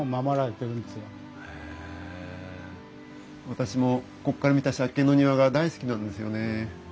私もこっから見た借景の庭が大好きなんですよね。